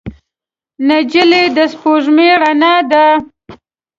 نجلۍ د سپوږمۍ رڼا ده.